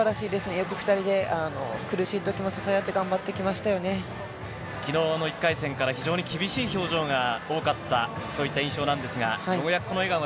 よく２人で苦しいときも支え合って、きのうの１回戦から非常に厳しい表情が多かった、そういった印象なんですが、ようやくこの笑